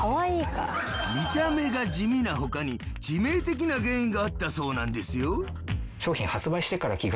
見た目が地味な他に致命的な原因があったそうなんですよ。